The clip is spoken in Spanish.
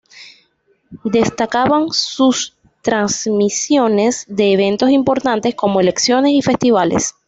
Destacaban sus transmisiones de eventos importantes como elecciones y festivales.